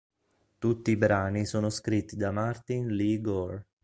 Tutti i brani sono scritti da Martin Lee Gore.